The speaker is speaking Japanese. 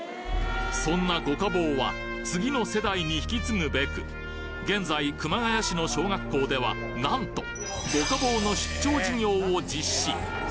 そんな五家宝は次の世代に引き継ぐべく現在熊谷市の小学校ではなんと五家宝の出張授業を実施